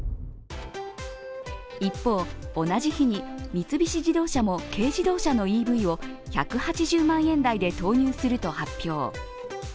一方、同じ日に三菱自動車も軽自動車のＥＶを１８０万円台で投入すると発表。